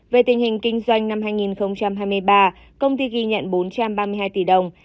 về tình hình kinh doanh năm hai nghìn hai mươi ba công ty ghi nhận bốn trăm ba mươi hai tỷ đồng